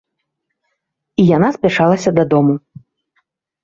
І яна спяшалася дадому.